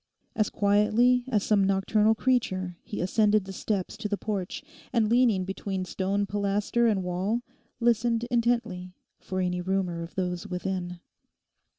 As quietly as some nocturnal creature he ascended the steps to the porch, and leaning between stone pilaster and wall, listened intently for any rumour of those within.